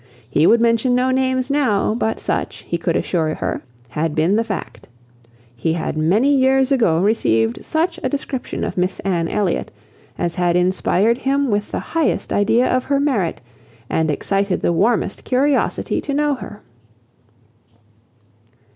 He would mention no names now; but such, he could assure her, had been the fact. He had many years ago received such a description of Miss Anne Elliot as had inspired him with the highest idea of her merit, and excited the warmest curiosity to know her."